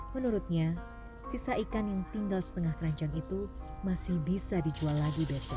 menurutnya sisa ikan yang tinggal setengah keranjang itu masih bisa dijual lagi besok